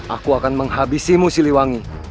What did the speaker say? aku akan menghabisimu siliwangi